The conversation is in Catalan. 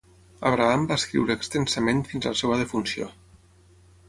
Abraham va escriure extensament fins a la seva defunció.